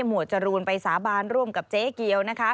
วดจรูนไปสาบานร่วมกับเจ๊เกียวนะคะ